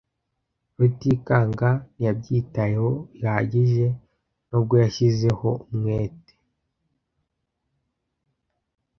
Rutikanga ntiyabyitayeho bihagije nubwo yashyizeho umwete.